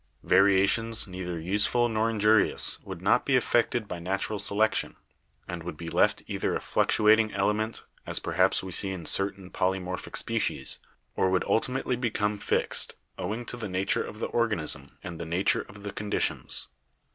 Variations neither useful nor injurious; would not be affected by natural selection, and would be left either a fluctuating element, as perhaps we see in cer tain polymorphic species, or would ultimately become fixed, owing to the nature of the organism and the nature of the conditions.